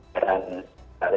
peran tinggal kemandi